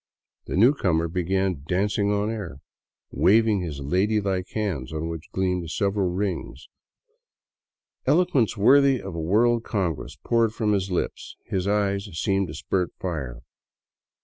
The new comer began dancing on air, waving his lady like hands, on which gleamed several rings, above him. Eloquence worthy of a world congress poured from his lips ; his eyes seemed to spurt fire.